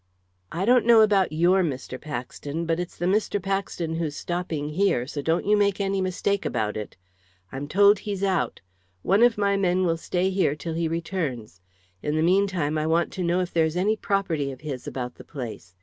"I don't know about your Mr. Paxton; but it's the Mr. Paxton who's stopping here, so don't you make any mistake about it. I'm told he's out. One of my men will stay here till he returns. In the meantime I want to know if there is any property of his about the place.